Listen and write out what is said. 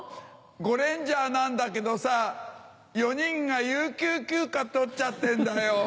ゴレンジャーなんだけどさ４人が有給休暇取っちゃってんだよ。